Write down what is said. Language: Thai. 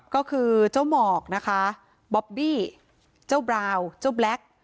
ก็คือเจ้าหมอกบอบบี้เจ้าบราวและเจ้าแบล็ค